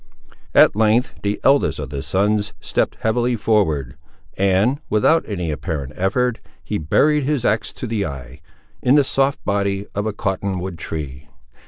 At length the eldest of the sons stepped heavily forward, and, without any apparent effort, he buried his axe to the eye, in the soft body of a cotton wood tree.